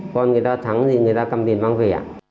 còn người ta thắng thì người ta cầm tiền mang về